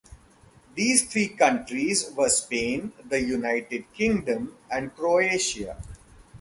These three countries were Spain, the United Kingdom, and Croatia.